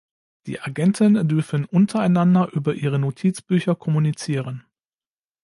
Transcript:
Die Agenten dürfen untereinander über ihre Notizbücher kommunizieren.